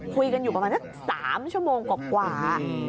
คุยกันอยู่ประมาณสัก๓ชั่วโมงกว่า